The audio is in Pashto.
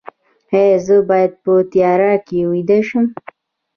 ایا زه باید په تیاره کې ویده شم؟